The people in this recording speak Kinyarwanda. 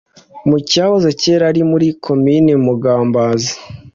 mu cyahoze cyera ari muri Komine Mugambazi